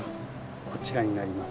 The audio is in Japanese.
こちらになります。